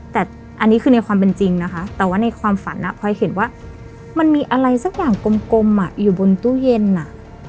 แต่อันนี้คือในความเป็นจริงนะคะแต่ว่าในความฝันพลอยเห็นว่ามันมีอะไรสักอย่างกลมอยู่บนตู้เย็นอ่ะ